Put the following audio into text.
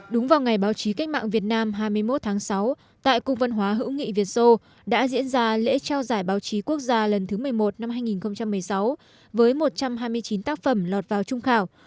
đúng vào ngày báo chí cách mạng việt nam hai mươi một tháng sáu tại cung văn hóa hữu nghị việt sô đã diễn ra lễ trao giải báo chí quốc gia lần thứ một mươi một năm hai nghìn một mươi sáu với một trăm hai mươi chín tác phẩm lọt vào trung khảo